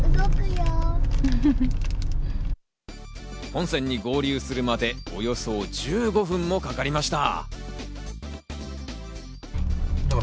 本線に合流するまで、およそ１５分もかかりました。